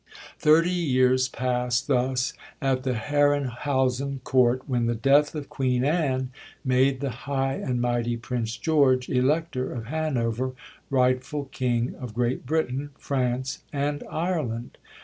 Thirty years passed thus at the Herrenhausen Court, when the death of Queen Anne made "the high and mighty Prince George, Elector of Hanover, rightful King of Great Britain, France and Ireland."